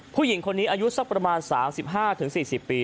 ผู้หญิงคนนี้อายุสักประมาณ๓๕๔๐ปี